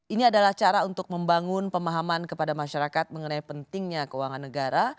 ini adalah cara untuk membangun pemahaman kepada masyarakat mengenai pentingnya keuangan negara